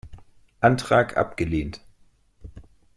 Antrag abgelehnt!